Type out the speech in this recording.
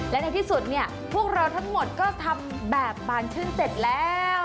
และในที่สุดเนี่ยพวกเราทั้งหมดก็ทำแบบบานชื่นเสร็จแล้ว